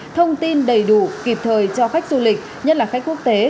thông tin đầy đủ kịp thời cho khách du lịch nhất là khách quốc tế